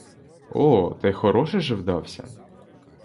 О, та й хороший же вдався!